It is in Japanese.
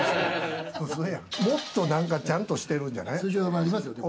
もっとなんかちゃんとしてるんじゃない。